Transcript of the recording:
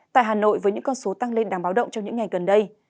tại hà nội với những con số tăng lên đáng báo động trong những ngày gần đây